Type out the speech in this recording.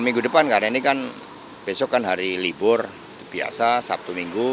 minggu depan karena ini kan besok kan hari libur biasa sabtu minggu